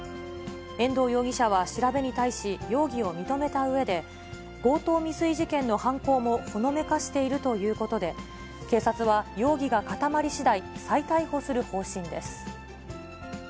遠藤容疑者は調べに対し容疑を認めたうえで、強盗未遂事件の犯行もほのめかしているということで、警察は容疑が固まりしだい、再逮捕する方針です。